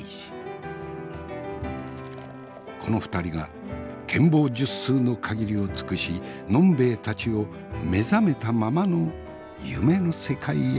この２人が権謀術数の限りを尽くし飲んべえたちを目覚めたままの夢の世界へいざなってくれる。